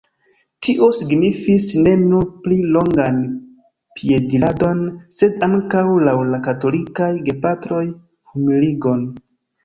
Tio signifis ne nur pli longan piediradon sed ankaŭ, laŭ la katolikaj gepatroj, humiligon.